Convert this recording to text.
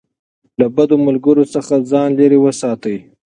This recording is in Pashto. له بدو ملګرو څخه ځان لېرې وساتئ.